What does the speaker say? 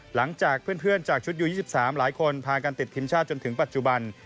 หลังจากเพื่อนจากชุดยู๒๓หลายคนพากันติดทีมชาติจนถึงปัจจุบัน